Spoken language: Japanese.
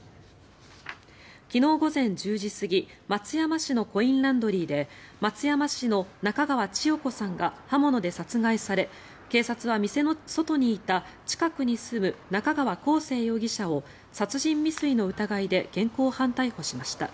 昨日午前１０時過ぎ松山市のコインランドリーで松山市の中川千代子さんが刃物で殺害され警察は店の外にいた近くに住む中川晃成容疑者を殺人未遂の疑いで現行犯逮捕しました。